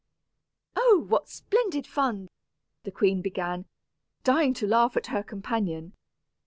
"Oh! what splendid fun!" the queen began, dying to laugh at her companion.